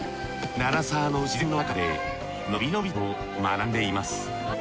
七沢の自然の中で伸び伸びと学んでいます